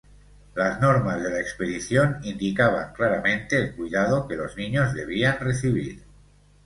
Las normas de la expedición indicaban claramente el cuidado que los niños debían recibir.